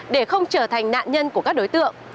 để không trở thành nạn nhân của các đối tượng